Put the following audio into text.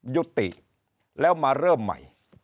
ยุติแล้วมาเริ่มใหม่